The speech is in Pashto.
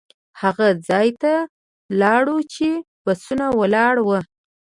هغه ځای ته لاړو چې بسونه ولاړ وو.